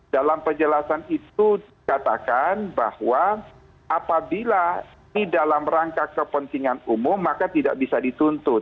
dalam penjelasan itu dikatakan bahwa apabila ini dalam rangka kepentingan umum maka tidak bisa dituntut